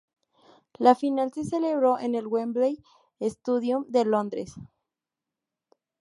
La final se celebró en el Wembley Stadium de Londres.